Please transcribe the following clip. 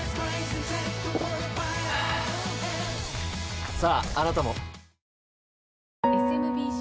ああなたも。